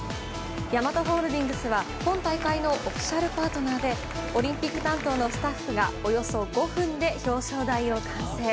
ヤマトホールディングスは今大会のオフィシャルパートナーでオリンピック担当のスタッフがおよそ５分で表彰台を完成。